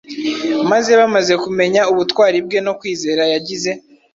Maze bamaze kumenya ubutwari bwe no kwizera yagize